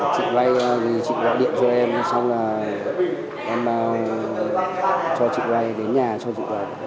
chị vay thì chị gọi điện cho em xong là em cho chị vay đến nhà cho chị vay